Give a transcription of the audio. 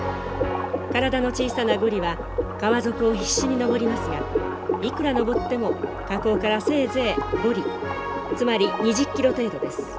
体の小さなゴリは川底を必死に上りますがいくら上っても河口からせいぜい５里つまり２０キロ程度です。